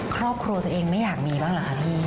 ครอบครัวตัวเองไม่อยากมีบ้างเหรอคะพี่